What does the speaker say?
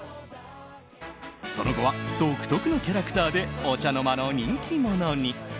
その後は、独特のキャラクターでお茶の間の人気者に。